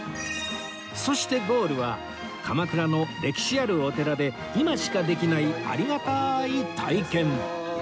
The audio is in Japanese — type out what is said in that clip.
そしてゴールは鎌倉の歴史あるお寺で今しかできないありがたい体験